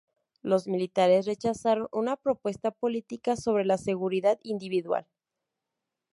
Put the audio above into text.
Los militares rechazaron una propuesta política sobre la seguridad individual.